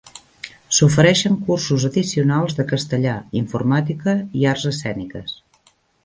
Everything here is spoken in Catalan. S'ofereixen cursos addicionals de castellà, informàtica, i arts escèniques.